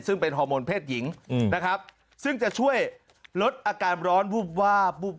ซึ่งเป็นฮอร์โมนเพศหญิงนะครับซึ่งจะช่วยลดอาการร้อนวูบวาบวูบ